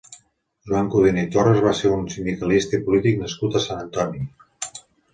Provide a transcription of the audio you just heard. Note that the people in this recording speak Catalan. Joan Codina i Torres va ser un sindicalista i polític nascut a Sant Antoni.